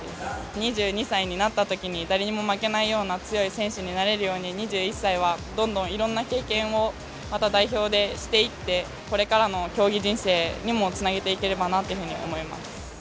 ２２歳になったときに、誰にも負けないような強い選手になれるように、２１歳は、どんどんいろんな経験をまた代表でしていって、これからの競技人生にもつなげていければなというふうに思います。